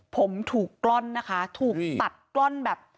ผมถูกกล้อนนะคะถูกตัดกล้อนแบบ